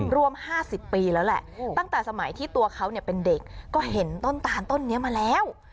รวม๕๐ปีแล้วแหละตั้งแต่สมัยที่ตัวเขาเป็นเด็กก็เห็นต้นตาลต้นนี้มาแล้ว